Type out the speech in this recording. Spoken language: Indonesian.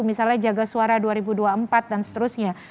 misalnya jaga suara dua ribu dua puluh empat dan seterusnya